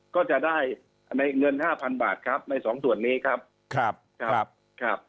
ก็จะได้ในเงินห้าพันบาทครับในสองส่วนนี้ครับครับ